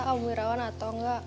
atau mirawan atau enggak